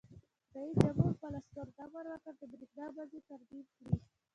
رئیس جمهور خپلو عسکرو ته امر وکړ؛ د برېښنا مزي ترمیم کړئ!